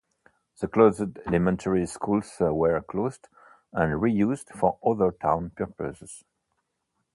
The closed elementary schools were closed and reused for other town purposes.